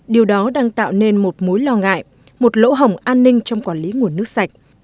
điều đó đang tạo nên một mối lo ngại một lỗ hồng an ninh trong quản lý nguồn nước sạch